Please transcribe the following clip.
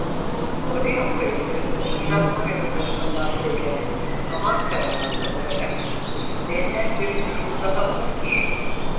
Odeon kayıtlarında Rıza Konyalı tarafından söylenen Aman Karamanlı olarak benzer bir türkü daha vardır.